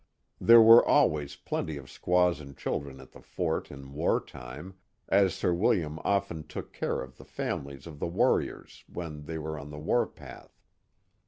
"'* There were always plenty of. squaws and children at the fort in Wr time, as dir Willialm often took care of the families of the warriors when they were on the war path.